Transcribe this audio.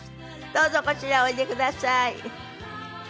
どうぞこちらへおいでください。